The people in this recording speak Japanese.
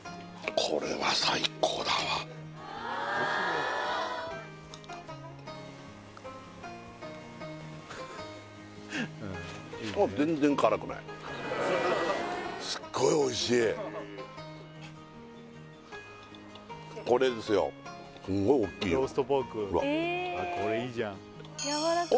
これは最高だわ全然辛くないすっごいおいしいこれですよすんごい大きいのほら